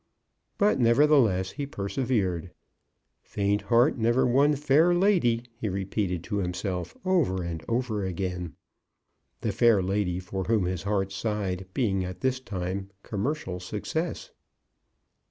But nevertheless he persevered. "Faint heart never won fair lady," he repeated to himself, over and over again, the fair lady for whom his heart sighed being at this time Commercial Success.